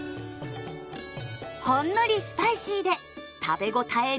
ほんのりスパイシーで食べ応え十分！